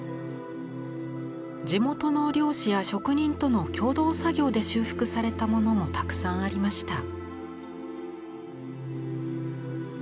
地元の漁師や職人との共同作業で修復されたものもたくさんありました。